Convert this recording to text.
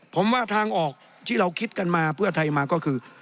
ผมว่าทางออกที่เราคิดกันมาเพื่อไทยมาก็คือ